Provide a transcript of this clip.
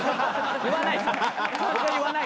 言わない。